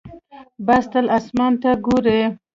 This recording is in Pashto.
باز تل اسمان ته ګوري